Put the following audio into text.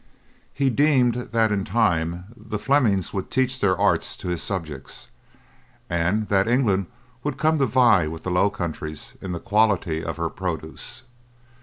He deemed that in time the Flemings would teach their art to his subjects, and that England would come to vie with the Low Countries in the quality of her produce.